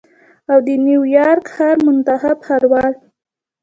او د نیویارک ښار منتخب ښاروال